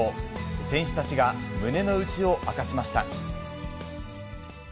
選手たちが胸の内を明かしました。